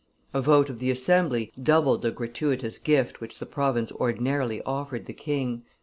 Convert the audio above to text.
A vote of the assembly doubled the gratuitous gift which the province ordinarily offered the king.